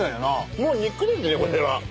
もう肉ですねこれは。